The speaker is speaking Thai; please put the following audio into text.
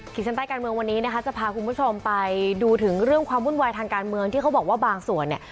ฉันใต้การเมืองวันนี้นะคะจะพาคุณผู้ชมไปดูถึงเรื่องความวุ่นวายทางการเมืองที่เขาบอกว่าบางส่วนเนี่ย